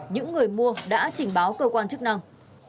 những người mua đã trình báo cơ quan chức năng